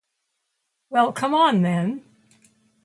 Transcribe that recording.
Well, come on, then.